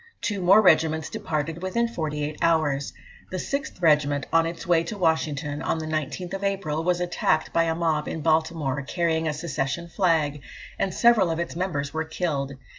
Two more regiments departed within forty eight hours. The 6th Regiment, on its way to Washington, on the 19th April, was attacked by a mob in Baltimore, carrying a secession flag, and several of its members were killed."